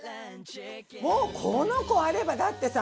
もうこの子あればだってさ